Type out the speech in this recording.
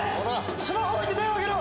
スマホを置いて手をあげろ！